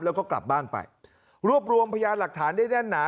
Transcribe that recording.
แล้วก็กลับบ้านไปรวบรวมพยานหลักฐานได้แน่นหนา